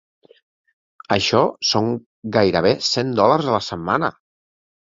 Això són gairebé cent dòlars a la setmana!